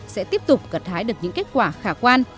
sẽ tiếp tục gặt hái được những kết quả khả quan